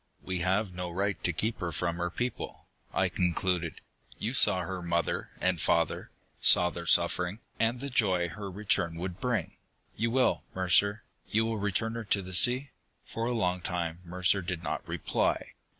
"We have no right to keep her from her people," I concluded. "You saw her mother and father, saw their suffering, and the joy her return would bring. You will, Mercer you will return her to the sea?" For a long time, Mercer did not reply.